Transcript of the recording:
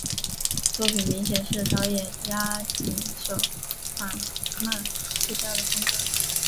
作品明显是导演押井守缓慢步调的风格。